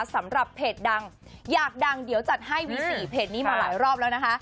สำหรับเพจดังอยากดังเดี๋ยวจัดให้วี๔เพจนี้มาหลายรอบแล้วนะคะ